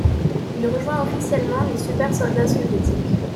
Il rejoint officiellement les Super-Soldats Soviétiques.